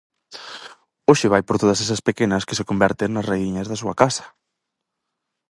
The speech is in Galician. Hoxe vai por todas esas pequenas que se converten nas raíñas da súa casa!